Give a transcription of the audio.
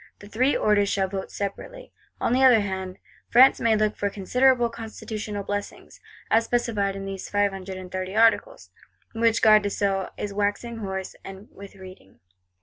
The Three Orders shall vote separately. On the other hand, France may look for considerable constitutional blessings; as specified in these Five and thirty Articles, which Garde des Sceaux is waxing hoarse with reading.